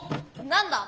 何だ？